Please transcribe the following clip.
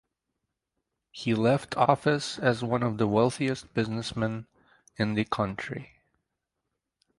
He left office as one of the wealthiest businessmen in the country.